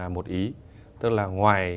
một ý tức là ngoài